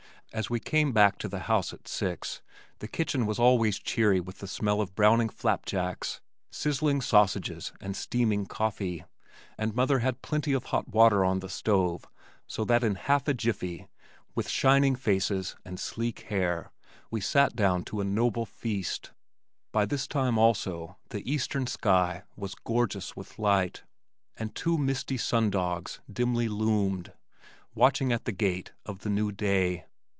As we came back to the house at six, the kitchen was always cheery with the smell of browning flapjacks, sizzling sausages and steaming coffee, and mother had plenty of hot water on the stove so that in "half a jiffy," with shining faces and sleek hair we sat down to a noble feast. By this time also the eastern sky was gorgeous with light, and two misty "sun dogs" dimly loomed, watching at the gate of the new day.